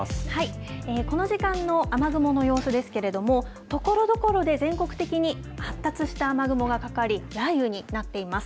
この時間の雨雲の様子ですけれどもところどころで全国的に発達した雨雲がかかり雷雨になっています。